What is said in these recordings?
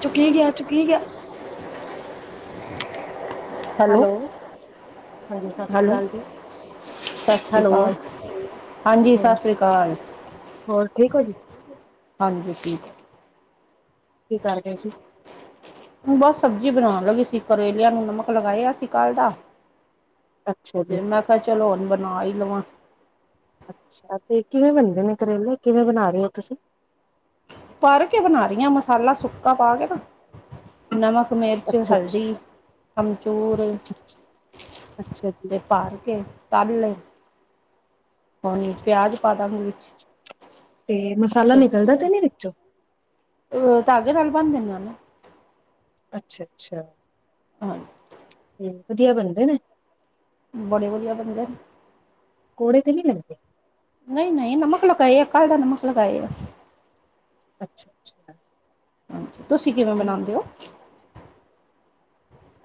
ਚੁੱਕੀ ਗੇਆ, ਚੁੱਕੀ ਗੇਆ। ਹੈਲੋ, ਹਾਂਜੀ ਸਾਸਰੀ ਹੈਲੋ ਕਾਲ ਜੀ, ਸਤਿ ਸ਼੍ਰੀ ਹੈਲੋ। ਅਕਾਲ ਹਾਂਜੀ ਹੋਰ ਸਾਸੀ ਕਾਲ, ਹੋਰ ਠੀਕ ਹੋ ਜੀ ਹਾਂਜੀ ਠੀਕ। ਕੀ ਕਰਦੇ ਸੀ? ਬਸ ਸਬਜ਼ੀ ਬਣਾਣ ਲਗੀ ਸੀ ਕਰੇਲੇਆਂ ਨੂੰ ਨਮਕ ਲਗਾਏਆ ਸੀ ਕੱਲ ਦਾ। ਅੱਛਾ ਜੀ ਫੇਰ ਮੈਂ ਕੇਆ ਚਲੋ ਹੁਣ ਬਨਾ ਈ ਲਵਾਂ। ਅੱਛਾ, ਤੇ ਕੀਵੇਂ ਬਣਦੇ ਨੇ ਕਰੇਲੇ, ਕਿਵੇਂ ਬਣਾ ਰਏ ਓ ਤੁਸੀਂ? ਪਰ ਕੇ ਬਣਾ ਰਈਆਂ ਮਸਾਲਾ ਸੁੱਕਾ ਪਾ ਕੇ ਨਾ, ਨਮਕ, ਮੀਰਚ, ਅੱਛਾ ਅੱਛਾ ਹਲਦੀ, ਅਮਚੂਰ ਅੱਛਾ ਜੀ। ਭਰ ਕੇ ਤੱਲ ਲਏ, ਹੁਣ ਪਿਆਜ ਪਾ ਦਾਂਗੀ ਵਿੱਚ ਤੇ ਮਸਾਲਾ ਨੀਕਲਦਾ ਤੇ ਨੀ ਵੀਚੋਂ? ਓ ਤਾਗੇ ਨਾਲ ਬਣ ਦੇਨਾ ਐ ਨਾ। ਅਛਾ-ਅਛਾ, ਹਾਂਜੀ ਤੇ ਵਦੀਆ ਬਣਦੇ ਨੇ। ਬੜੇ ਵਦੀਆ ਬਨਦੇ। ਕੋੜੇ ਤੇ ਨਈ ਲਗਦੇ? ਨਈ-ਨਈ, ਨਮਕ ਲਗਾਏ ਆ ਕਲ ਦਾ ਨਮਕ ਲਗਾਏ ਆ। ਅੱਛਾ, ਛਾ। ਤੁਸੀਂ ਕਿਵੇਂ ਬਣਾਂਦੇ ਓ?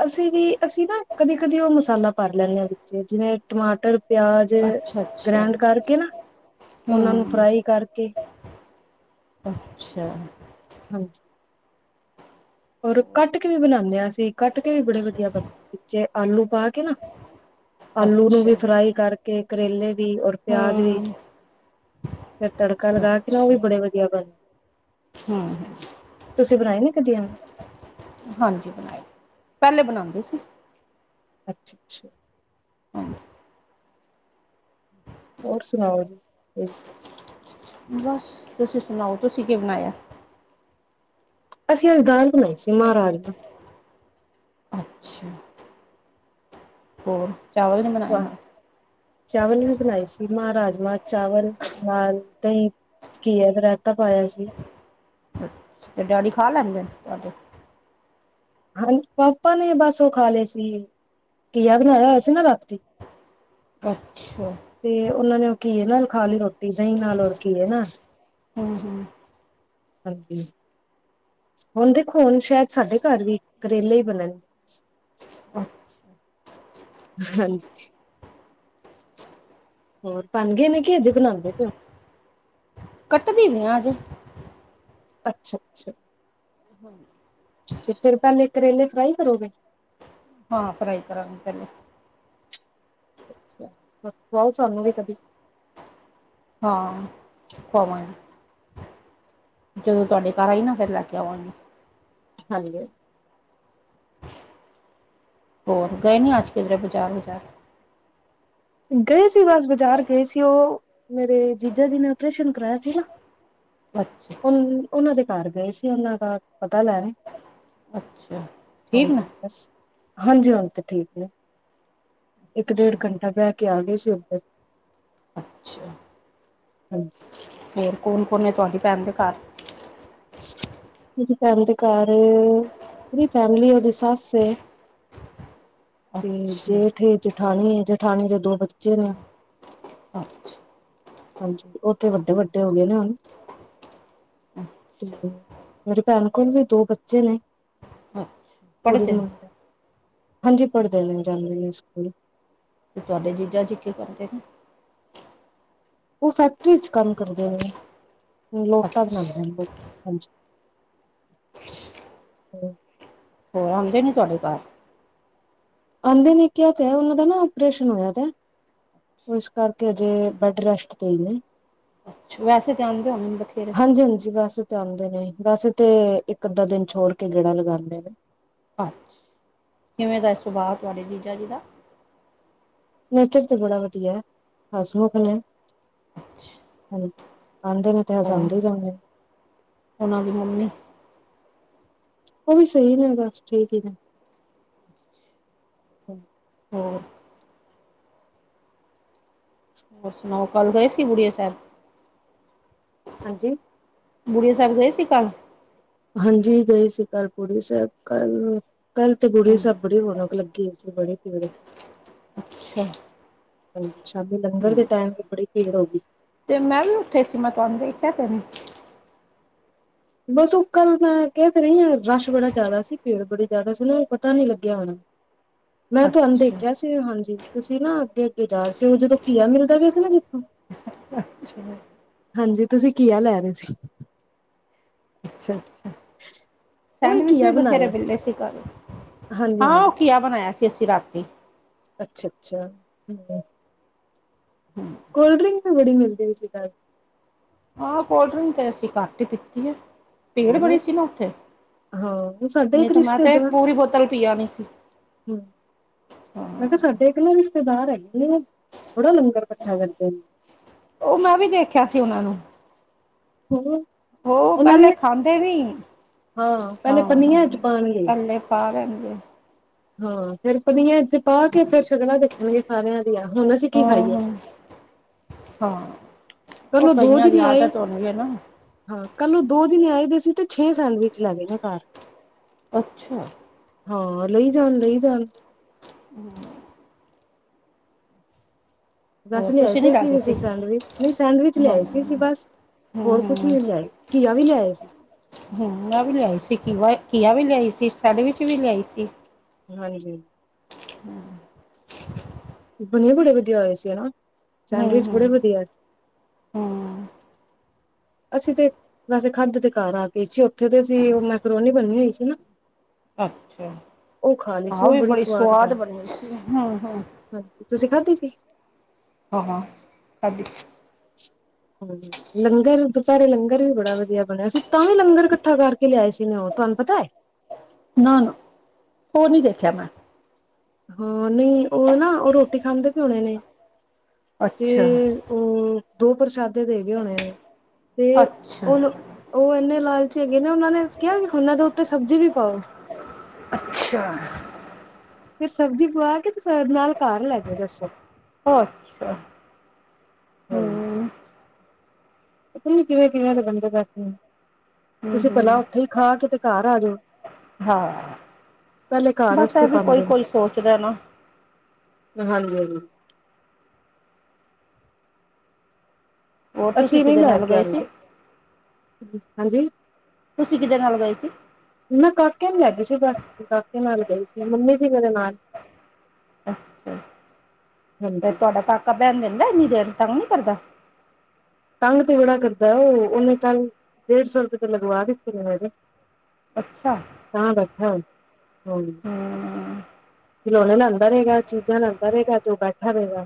ਅਸੀਂ ਵੀ, ਅਸੀਂ ਨਾ ਕਦੀ-ਕਦੀ ਓ ਮਸਾਲਾ ਭਰ ਲੈਨੇ ਆ ਵੇਚ ਜੀਵੇਂ ਟਮਾਟਰ ਪਿਆਜ਼ ਅੱਛਾ ਅੱਛਾ ਗ੍ਰੈਂਡ ਕਰਕੇ ਨਾ, ਉਨਾਂ ਨੂੰ ਹੂੰ ਫਰਾਈ ਕਰਕੇ ਅੱਛਾ। ਹਾਂਜੀ। ਔਰ ਓ ਕੱਟ ਕੇ ਵੀ ਬਣਾਣੇ ਆ ਅਸੀਂ, ਕੱਟ ਕੇ ਵੀ ਬੜੇ ਵਧੀਆ ਬਣ ਵਿੱਚੇ ਆਲੂ ਪਾ ਕੇ ਨਾ ਆਲੂ ਨੂੰ ਅੱਛਾ ਵੀ ਫਰਾਈ ਕਰਕੇ, ਕਰੇਲੇ ਵੀ, ਔਰ ਪਿਆਜ਼ ਵੀ। ਹੂੰ ਫੇਰ ਤੜਕਾ ਲਗਾ ਕੇ ਨਾ ਓ ਅੱਛਾ ਵੀ ਬੜੇ ਵਧੀਆ ਬਣ ਹੂੰ। ਤੁਸੀਂ ਬਣਾਏ ਨੇ ਕਦੀ ਐਵੇ? ਹਾਂਜੀ ਬਣਾਏ, ਪਹਿਲੇ ਬਣਾਂਦੇ ਸੀ। ਅੱਛਾ-ਅੱਛਾ। ਹਾਂ। ਹੋਰ ਸੁਣਾਓ ਜੀ? ਬਸ ਤੁਸੀਂ ਸੁਣਾਓ ਤੁਸੀਂ ਕੀ ਬਣਾਇਆ? ਅਸੀਂ ਅੱਜ ਦਾਲ ਬਣਾਈ ਸੀ ਮਾਂ ਰਾਜਮਾਂ। ਅੱਛਾ! ਹੋਰ ਚਾਵਲ ਨਹੀਂ ਬਣਾਏ ਨਾਲ ਚਾਵਲ ਵੀ ਬਣਾਏ ਸੀ ਮਾਂ ਰਾਜਮਾਂ, ਚਾਵਲ ਨਾਲ ਦਈ ਘੀਆ ਦਾ ਰੈਂਤਾ ਪਾਇਆ ਸੀ। 'ਤੇ ਡੈਡੀ ਖਾਂ ਲੈਂਦੇ ਨੇ ਤੁਹਾਡੇ? ਹਾਂ ਪਾਪਾ ਨੇ ਬਸ ਓ ਖਾਂ ਲੈ ਸੀ ਘੀਆ ਬਣਾਇਆ ਹੋਇਆ ਸੀ ਨਾ ਰਾਤੀ। ਅੱਛਾ! 'ਤੇ ਉਨਾਂ ਨੇ ਓ ਘੀਏ ਨਾਲ ਖਾਲੀ ਰੋਟੀ, ਦਈ ਨਾਲ ਔਰ ਘੀਏ ਨਾ। ਹੂੰ-ਹੂੰ। ਹੁਣ ਦੇਖੋ ਹੁਣ ਸੈਦ ਸਾਡੇ ਘਰ ਵੀ ਕਰੇਲੇ ਈ ਬਣਨ। ਅੱਛਾ ਹਾਂ ਜੀ। ਹੋਰ ਬਣ ਗੇ ਨੇ ਕੇ ਹਜੇ ਬਣਾਂਦੇ ਪੇ ਓ? ਕੱਟ ਦਿੰਨੀ ਆ ਅਜੇ। ਅੱਛਾ-ਅੱਛਾ। ਹਾਂਜੀ। 'ਤੇ ਫੇਰ ਪਹਿਲੇ ਕਰੇਲੇ ਫਰਾਈ ਕਰੋਗੇ? ਹਾਂ ਫਰਾਈ ਕਰਾਂਗੇ ਪਹਿਲੇ। ਅੱਛਾ ਫੇ ਖੁਆਣਾ ਸਾਨੂੰ ਵੀ ਕਦੀ। ਹਾਂ ਖੁਆਵਾਗੀ। ਜਦੋਂ ਤੁਹਾਡੇ ਘਰ ਆਈ ਨਾ ਫਿਰ ਲੈ ਕੇ ਆਵਾਂਗੀ। ਹਾਂਜੀ। ਹੋਰ ਗਏ ਨੀ ਅੱਜ ਕਿਧਰੇ ਬਜ਼ਾਰ-ਬਜ਼ਾਰ? ਗਏ ਸੀ ਬਸ ਬਾਜ਼ਾਰ ਗਏ ਸੀ ਓ ਮੇਰੇ ਜੀਜਾ ਜੀ ਨੇ ਓਪਰੇਸ਼ਨ ਕਰਾਇਆ ਸੀ ਨਾ। ਅੱਛਾ! ਉਨ ਅੱਛਾ ਉਨਾਂ ਦੇ ਘਰ ਗਏ ਸੀ ਉਨਾਂ ਦਾ ਪਤਾ ਲੈਣ। ਅੱਛਾ! ਠੀਕ ਨਾ ਹਾਂਜੀ ਬਸ ਹਾਂਜੀ ਹੁਣ 'ਤੇ ਠੀਕ ਨੇ, ਇੱਕ-ਡੇਢ ਅੱਛਾ ਘੰਟਾ ਬੈ ਕੇ ਆਗੇ ਸੀ ਉਧਰ, ਅੱਛਾ ਹਾਂਜੀ। ਹੋਰ ਕੌਣ- ਕੌਣ ਐ ਤੁਆਡੀ ਭੈਣ ਦੇ ਘਾਰ? ਮੇਰੀ ਭੈਣ ਦੇ ਘਰ ਪੂਰੀ ਫੈਮਲੀ ਓਦੀ ਸੱਸ ਏ। ਤੇ ਅੱਛਾ ਜੇਠ ਏ-ਜਠਾਣੀ ਏ, ਜਠਾਣੀ ਦੇ ਦੋ ਬੱਚੇ ਨੇ। ਅੱਛਾ। ਹਾਂਜੀ, ਓ ਤੇ ਵੱਡੇ-ਵੱਡੇ ਹੋ ਗਏ ਨੇ ਹੁਨ। ਤੇ ਮੇਰੀ ਭੈਣ ਕੋਲ ਵੀ ਦੋ ਬੱਚੇ ਨੇ, ਕੁੜੀ ਪੜ੍ਹਦੇ ਤੇ ਨੇ ਮੁੰਡਾ। ਹਾਂਜੀ ਪੜ੍ਹਦੇ ਨੇ ਜਾਂਦੇ ਨੇ ਸਕੂਲ। ਤੇ ਤੁਆਡੇ ਜੀਜਾ ਜੀ ਕੀ ਕਰਦੇ ਨੇ? ਓ ਫੈਕਟਰੀ ਚ ਕੰਮ ਕਰਦੇ ਨੇ, ਲੋਟਾ ਬਣਾਦੇ ਅੱਛਾ ਨੇ ਹਾਂਜੀ। ਹੂੰ ਓ ਆਉਂਦੇ ਨਈ ਤੁਆਡੇ ਘਾਰ? ਆਂਦੇ ਨੇ ਕੇਆ ਤਾ ਹੈ, ਓਨਾਂ ਦਾ ਨਾ ਓਪਰੇਸ਼ਨ ਹੋਏਆ ਦਾ। ਓ ਇਸ ਕਰਕੇ ਅਜੇ, ਬੈਡ ਰੈਸਟ ਤੇ ਈ ਨੇ। ਵੈਸੇ ਤੇ ਆਂਦੇ ਹੁਣੇ ਬਥੇਰਾ? ਹਾਂਜੀ-ਹਾਂਜੀ ਵੈਸੇ ਤੇ ਆਂਦੇ ਨੇ, ਵੈਸ ਤੇ ਇੱਕ ਅੱਧਾ- ਦਿਨ ਛੋੜ ਕੇ ਗੇੜਾ ਲਗਾਂਦੇ ਨੇ। ਅੱਛਾ, ਕਿਵੇਂ ਦਾ ਐ ਸੁਭਾ ਤੁਆਡੇ ਜੀਜਾ ਜੀ ਦਾ? ਨੇਚਰ ਤੇ ਬੜਾ ਵਧੀਆ, ਹਸਮੁਖ ਨੇ ਅੱਛਾ ਹਾਂਜੀ। ਆਂਦੇ ਨੇ ਤੇ ਹਸਾਂਦੇ ਰੇਂਦੇ ਨੇ। ਓਨਾਂ ਦੀ ਮੰਮੀ? ਓ ਵੀ ਸਈ ਨੇ ਬਸ, ਠੀਕ ਈ ਨੇ। ਹੋਰ ਹੋਰ ਸੁਣਾਓ ਕਲ ਗਏ ਸੀ, ਬੂੜੀਆ ਸਾਏਬ? ਹਾਂਜੀ ਬੂੜੀਆ ਸਾਬ ਗਏ ਸੀ ਕੱਲ? ਹਾਂਜੀ ਗਏ ਸੀ ਕੱਲ ਬੂੜੀਆ ਸਾਈਬ ਕੱਲ ਕੱਲ੍ਹ ਤੇ ਬੂੜੀਆ ਸਾਬ ਬੜੀ ਰੌਣਕ ਲੱਗੀ ਹੋਈ ਸੀ, ਬੜੀ ਭੀੜ ਸੀ। ਅੱਛਾ ਹਾਂਜੀ, ਸ਼ਾਮੀ ਲੰਗਰ ਦੇ ਹੂੰ, ਟਾਏਮ ਤੇ ਬੜੀ ਭੀੜ ਹੋ ਗਈ ਸੀ। ਤੇ ਮੈਂ ਵੀ ਉੱਥੇ ਸੀ, ਮੈ ਤੁਆਨੂ ਦੇਖਿਆ ਤਾ ਨਈ। ਬਸ ਓ ਕੱਲ ਮੈਂ ਕੈ ਤਾ ਰਈ ਆ, ਰਸ਼ ਬੜਾ ਜ਼ਾਦਾ ਸੀ, ਭੀੜ ਬੜੀ ਜ਼ਾਦਾ ਸੀ ਨਾ ਪਤਾ ਨੀ ਲੱਗੇਆ ਹੁਣਾ। ਮੈਂ ਤੁਆਨੂੰ ਅੱਛਾ ਦੇਖਿਆ ਸੀ। ਤੇ ਹਾਂਜੀ, ਤੁਸੀਂ ਨਾ ਅੱਗੇ -ਅੱਗੇ ਜਾ ਰਏ ਸੀ, ਓ ਜਦੋਂ ਘੀਆ ਮਿਲਦਾ ਪੇਆ ਸੀ ਨਾ ਜਿੱਥੋਂ ਜੀ। ਹਾਂਜੀ, ਤੁਸੀਂ ਘੀਆ ਲੈ ਰਏ ਸੀ। ਅੱਛਾ-ਅੱਛਾ ਉਹੀ ਸੈਂਡਵਿਚ ਵੀ ਘੀਆ ਬਥੇਰੇ ਬਣਾਇਆ ਮਿਲਦੇ ਸੀ ਕੱਲ, ਹਾਂਜੀ ਹਾਂ ਓ ਹਾਂਜੀ ਘੀਆ ਬਣਾਏਆ ਸੀ ਅਸੀਂ ਰਾਤੀ ਅੱਛਾ -ਅੱਛਾ ਹਮ ਹਮ ਕੋਲਡਰਿੰਕ ਵੀ ਬੜੀ ਮਿਲਦੀ ਪਈ ਸੀ ਕੱਲ। ਹਾਂ ਕੋਲਡ -ਡ੍ਰਿੰਕ ਤੇ ਅਸੀ ਘੱਟ ਪੀਤੀ ਏ, ਭੀੜ ਕੱਲ ਬੜੀ ਸੀ ਨਾ ਓਥੇ ਹਾਂ ਸਾਡਾ ਨਈ ਇੱਕ ਤੇ ਮੈਂ ਤੇ, ਰਿਸ਼ਤੇਦਾਰ ਪੂਰੀ ਬੋਤਲ ਪੀ ਜਾਨੀ ਸੀ। ਹੂੰ ਹਾਂ ਮੈਂ ਕੇਆ ਸਾਡੇ ਇੱਕ ਨਾ ਰਿਸ਼ਤੇਦਾਰ ਹੈਗੇ ਨੇ ਓ, ਬੜਾ ਲੰਗਰ ਕੱਠਾ ਕਰਦੇ ਨੇ। ਓ ਮੈਂ ਵੀ ਦੇਖਿਆ ਸੀ ਓਨਾਂ ਨੂੰ ਹੋਰ ਓ ਪੇਲੇ ਖਾਂਦੇ ਨੀ ਹਾਂ ਪਹਿਲੇ ਹਾਂ-ਹਾਂ ਪਨੀਆਂ ਚ ਪਾਣਗੇ ਪੇਲੇ ਪਾ ਲੈਣਗੇੇ ਹਾਂ ਫੇਰ ਪਨੀਆ ਇੱਥੇ ਪਾ ਕੇ ਫੇਰ ਸ਼ਗਲਾ ਦੇ ਖਾਣੇ ਖਾਣੇ ਹੈਗੇ ਆ, ਹੁਣ ਅਸੀਂ ਕੀ ਹਾਂ ਖਾਈਏ? ਹਾਂ ਹਾਂ ਉ ਕੱਲ ਉਹ ਦੋ ਕਈਆਂ ਦੀ ਜਣੇ ਆਏ ਆਦਤ ਹੁੰਦੀ ਹੈ ਨਾ। ਹਾਂ ਕੱਲ ਨੂੰ ਦੋ ਜਣੇ ਆਏ ਵੇ ਸੀ ਤੇ ਛੇ ਸੈਂਡਵਿਚ ਲੈ ਗਏ ਨੇ ਘਰ। ਅੱਛਾ। ਹਾਂ ਲਈ ਜਾਣ- ਲਈ ਜਾਣ। ਹੂੰ। ਬਸ ਹੋਰ ਲਿਆਏ ਤੁਸੀਂ ਨੀ ਤੇ ਸੀ ਵੀ ਲਾਗੇ ਅਸੀ ਸੈਂਡਵਿਚ ਨਈ ਸੈਂਡਵਿਚ ਹਾਂ ਲਿਆਏ ਸੀ ਅਸੀ ਹਮ ਬਸ। ਹੋਰ ਕੁਛ ਹਮ ਨੀ ਲਿਆਏ ਘੀਆ ਵੀ ਲਿਆਏ ਸੀ। ਹੂੰ ਮੈਂ ਵੀ ਲਿਆਈ ਸੀ ਕਿ ਘਿਆ ਵੀ ਲਿਆਈ ਸੀ ਸਡ ਵਿੱਚ ਵੀ ਲਿਆਈ ਸੀ। ਹਾਂਜੀ ਹੂੰ। ਬਨੀਆ ਬੜੇ ਵਧੀਆ ਹੋਏ ਸੀ ਹਨਾ, ਹੂੰ ਸੈਂਡਵਿਚ ਹੂੰ ਬੜੇ ਵਧੀਆ। ਹੂੰ ਅਸੀਂ ਤੇ ਵੈਸੇ ਖਾਂਦੇ ਤੇ ਘਰ ਆ ਗਏ ਸੀ ਉੱਥੇ ਤੇ ਅਸੀ ਉਹ ਮੈਕਰੋਨੀ ਬਣੀ ਹੋਈ ਸੀ ਨਾ। ਅੱਛਾ। ਉਹ ਖਾ ਲਈ ਸੀ ਆਹ ਉਹ ਵੀ ਬੜੀ ਸਵਾਦ ਬਣੀ, ਸੀ ਹੂੰ ਹੂੰ ਹਾਂਜੀ ਤੁਸੀਂ ਖਾਧੀ ਸੀ? ਹ ਹਾਂ- ਹਾਂ ਖਾਧੀ ਸੀ। ਹੈਲੋ। ਲੰਗਰ ਦੁਪਹਿਰੇ ਲੰਗਰ ਵੀ ਬੜਾ ਵਧੀਆ ਬਣਿਆ ਸੀ ਤਾਂ ਵੀ ਲੰਗਰ ਇਕੱਠਾ ਕਰਕੇ ਲਿਆਏ ਸੀ ਨ ਉਹ, ਤੁਹਾਨੂੰ ਪਤਾ ਏ? ਨਾ- ਨਾ ਉਹ ਨੀ ਦੇਖਿਆ ਮੈਂ। ਹਾਂ ਨਹੀਂ ਉਹ ਨਾ ਉਹ ਰੋਟੀ ਖਾਂਦੇ ਪਏ ਹੋਣੇ ਨੇ, ਅੱਛਾ ਤੇ ਉਹ ਦੋ ਪ੍ਰਸ਼ਾਦੇ ਦੇ ਗਏ ਹੋਣੇ ਨੇ, ਤੇ ਅੱਛਾ ਉਹਿਓ। ਉਹ ਇੰਨੇ ਲਾਲਚੀ ਹੈਗੇ ਨੇ ਉਹਨਾ ਨੇ ਕਿਹਾ ਵੀ ਖੰਨਾ ਇਦੇ ਉੱਤੇ ਸਬਜ਼ੀ ਵੀ ਪਾਓ। ਅੱਛਾ। ਫੇਰ ਸਬਜ਼ੀ ਪਵਾ ਕੇ ਤੇ ਫੇਰ ਨਾਲ ਘਰ ਲੈ ਗੇ ਦੱਸੋ। ਅੱ ਛਾ। ਹਾਂਜੀ। ਪਤਾ ਨੀ ਕਿਵੇਂ- ਕਿਵੇਂ ਦੇ ਬੰਦੇ ਬੈਠੇ ਨੇ ਹੂੰ ਤੁਸੀਂ ਭਲਾ ਹੂੰ ਉੱਥੇ ਹੀ ਖਾ ਕੇ ਤੇ ਘਰ ਆ ਜਾਓ। ਹਾਂ ਪਹਿਲੇ ਘਰ ਬਸ ਰਸਤੇ ਇਹ ਵੀ ਕੋਈ- ਪਾਉਂਦੇ ਕੋਈ ਸੋਚਦਾ ਨਾ। ਹਾਂਜੀ- ਹਾਂਜੀ। ਹੋਰ ਤੁਸੀਂ ਅਸੀਂ ਨੀ ਕਿਦੇ ਲੈ ਨਾਲ ਕੇ ਗਏ ਸੀ ਆਂਦੇ, ਹਾਂਜੀ। ਤੁਸੀਂ ਕਿਦੇ ਨਾਲ ਗਏ ਸੀ? ਮੈਂ ਕਾਕੇ ਨੂੰ ਲੈ ਗੀ ਸੀ ਬਸ ਕਾਕੇ ਨਾਲ ਗਈ ਸੀ ਮੰਮੀ ਸੀ ਮੇਰੇ ਨਾਲ। ਅੱਛਾ ਫ ਹਾਂਜੀ ਤੁਹਾਡਾ ਕਾਕਾ ਬੈਣ ਦਿੰਦਾ ਏ ਇੰਨੀ ਦੇਰ, ਤਂਗ ਨੀ ਕਰਦਾ? ਤੰਗ ਤੇ ਬੜਾ ਕਰਦਾ ਏ ਉਹਨੇ ਕੱਲ ਡੇਢ ਸੌ ਰੁਪਏ ਤੇ ਲਗਵਾ ਦਿੱਤੇ ਨੇ ਮੈਰੇ। ਅੱਛਾ। ਤਾਂ ਬੈਠਾ, ਹਾਂਜੀ। ਹੂੰ ਖਿਲੋਣੇ ਲਿਆਂਦਾ ਰਹੇਗਾ, ਚੀਜ਼ਾਂ ਲਿਆਂਦਾ ਰਹੇਗਾ ਤੇ ਬੈਠਾ ਰਹੇਗਾ।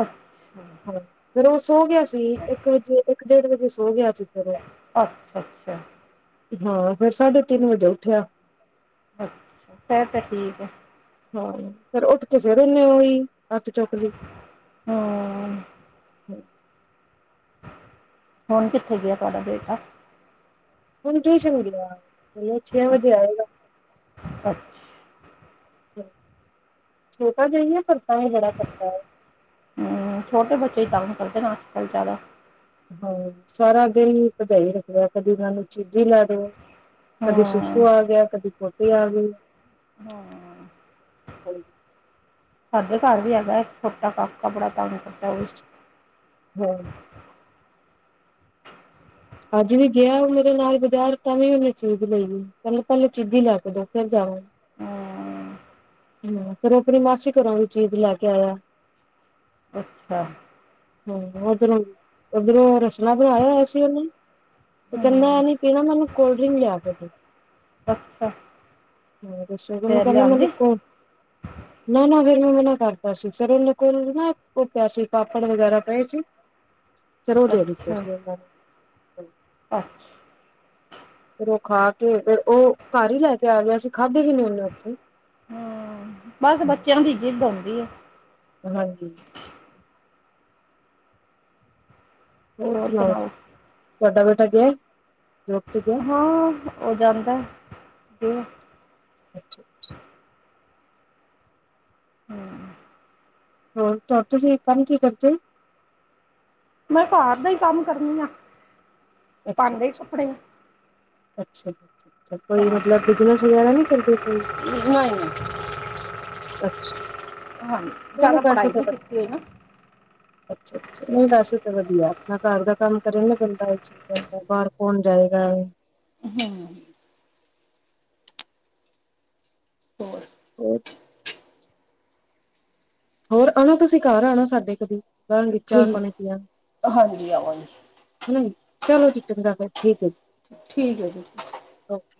ਅੱਛਾ। ਫੇਰ ਉਹ ਸੋ ਗਿਆ ਸੀ, ਇੱਕ ਵਜੇ ਇੱਕ ਡੇਢ ਵਜੇ ਸੋ ਗਿਆ ਸੀ ਫੇਰ। ਅੱਛਾ- ਅੱਛਾ। ਹਾਂ ਫੇਰ ਸਾਢੇ ਤਿੰਨ ਵਜੇ ਉੱਠਿਆ। ਅੱਛਾ ਫੇਰ ਤਾਂ ਠੀਕ ਏ। ਹਾਂ ਫੇਰ ਉੱਠ ਕੇ ਫੇਰ ਉਹਨੇ ਉਹੀ ਅੱਥ ਚੁੱਕ ਲਈ। ਹਾਂ। ਹੁਣ ਕਿੱਥੇ ਗਿਆ ਤੁਹਾਡਾ ਬੇਟਾ ਹੁਣ ਟਿਊਸ਼ਨ ਗਯਾ ਐ, ਛੇ ਵਜੇ ਆਏਗਾ ਅੱਛਾ ਛੋਟਾ ਜ ਹੀ ਹੈ ਪਰ ਤੰਗ ਬੜਾ ਕਰਦਾ ਹੈ ਛੋਟੇ ਬੱਚੇ ਹੀ ਤੰਗ ਕਰਦੇ, ਨਾ ਅੱਜ ਕੱਲ ਜ਼ਿਆਦਾ ਹਾਂ ਸਾਰਾ ਦਿਨ ਭਜਾਈ ਰਖਣੇ ਆਂ, ਕਦੀ ਇਨ੍ਹਾਂਨੂੰ ਚੀਜ਼ੀ ਲੈ ਦੋ ਕਦੀ ਹਮ ਸ਼ੂਸ਼ੂ ਆ ਗਯਾ, ਕਦੀ ਪੋਟੀ ਆ ਗਈ ਹਮ ਸਾਡੇ ਘਰ ਵੀ ਹੈਗਾ ਐ, ਇੱਕ ਛੋਟਾ ਕਾਕਾ ਬੜਾ ਤੰਗ ਕਰ ਹਮ [inaudible] ਅੱਜ ਵੀ ਗਿਆ ਉਹ ਮੇਰੇ ਨਾਲ ਬਜ਼ਰ ਤਾਂ ਵੀ ਉਹਨੇ ਚੀਜ਼ ਲੈਣੀ, ਕਹਿੰਦਾ ਪਹਿਲੇ ਚੀਜ਼ੀ ਲੈ ਕੇ ਦੋ, ਫਿਰ ਜਾਵਾਂ। ਹਮ ਹੂ, ਫਿਰ ਉਹ ਆਪਣੀ ਮਾਸੀ ਘਰੋਂ ਵੀ ਚੀਜ਼ ਲੈ ਕੇ ਆਇਆ ਅੱਛਾ ਹਾਂ ਉਧਰੋਂ, ਉੱਧਰੋਂ ਰਸਨਾ ਬਣਾਇਆ ਹੋਇਆ ਸੀ ਉਹਨੇ ਤੇ ਕਹਿੰਦਾ ਹਮ ਇਹ ਨੀ ਪੀਣਾ, ਮੈਨੂੰ ਕੋਲਡ ਡਰਿੰਕ ਲਿਆ ਕੇ ਦੋ ਅੱਛਾ ਸਗੋਂ ਮੈਂਨੂੰ ਫੇਰ ਕਹਿੰਦਾ ਲਿਆਂਦੀ ਮੈਂਨੂੰ ਕੋਲ੍ਡ ਡੀ ਨਾ ਨਾ ਫੇਰ ਮੈਂ ਮਨਾ ਕਰਤਾ ਸੀ, ਫੇਰ ਔ ਦੇ ਕੋਲ ਨਾ ਉਹ ਪੇਆ ਸੀ, ਪਾਪੜ ਵਗੈਰਾ ਪਏ ਸੀ ਫੇਰ ਔ ਦੇ ਦਿਤੇ ਅੱਛਾ ਸੀ ਓਨਾਨੇ ਅੱਛਾ ਫਿਰ ਉਹ ਖਾ ਕੇ ਫੇਰ ਉਹ ਘਰ ਹੀ ਲੈ ਕੇ ਆ ਗਿਆ ਸੀ ਖਾਧੀ ਵੀ ਨਈ ਔ ਨੇ ਉੱਥੇ ਹਮ ਬਸ ਬੱਚਿਆਂ ਦੀ ਜਿੱਦ ਹੋਂਦੀ ਏ ਹਾਂਜੀ ਹੋਰ ਸੁਣਾਓ, ਤੁਹਾਡਾ ਬੇਟਾ ਗਯਾ ਐ ਡਾਕ੍ਟਰ ਦੇ ਹਾਂ ਔ ਜਾਂਦਾ ਜਿੱਵੇਂ ਅੱਛਾ ਅੱਛਾ ਹਮ ਹੋਰ ਤੁਸੀਂ ਕੰਮ ਕੀ ਕਰਦੇ ਹੋ ਮੈਂ ਘਾਰ ਦਾ ਈ ਕੰਮ ਕਰਨੀ ਆ ਪਾਡੇਂ ਕੱਪੜੇ ਅੱਛਾ ਹਾਂ ਕੋਈ ਮਤਲਬ ਬਿਜਨਸ ਵਗੈਰਾ ਨੀ ਕਰਦੇ ਕੋਈ ਨਹੀਂ ਨਹੀਂ [inaudible] ਅੱਛਾ, ਹਾਂਜੀ ਚਲੋ ਜ਼ਿਆਦਾ ਪੈਸੇ ਪੜ੍ਹਾਈ ਨਹੀਂ ਖ਼ਤਮ ਕੀਤੀ ਹੈ ਨਾ ਅੱਛਾ ਅੱਛਾ ਨਹੀਂ ਵੈਸੇ ਤਾਂ ਵਧੀਆ ਆਪਣਾ ਘਰ ਦਾ ਕੰਮ ਕਰੇ ਨਾ ਬੰਦਾ ਵੇਖੋ ਬਾਹਰ ਕੋਣ ਜਾਏਗਾ ਹੂ ਹੋਰ ਹੋਰ ਹੋਰ ਆਉਣਾ ਤੁਸੀ ਘਾਰ ਆਉਣਾ ਸਾਡੇ ਕਦੀ, ਬਾਹਾਂਗੇ ਚਾਹ ਠੀਕ ਪਾਣੀ ਪਿੱਆਂਗੇ ਹਾਂਜੀ ਆਵਾਂਗੇ ਹੈਨਾ ਜੀ, ਚਲੋ ਜੀ ਚੰਗਾ ਫਿਰ, ਠੀਕ ਹੈ ਜੀ ਠੀਕ ਹੈ ਜੀ ਔਕੇ